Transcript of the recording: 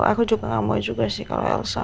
aku juga gak mau juga sih kalau elsa